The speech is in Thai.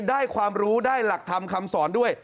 ได้ความรู้ได้หลักธรรมคำสอนด้วย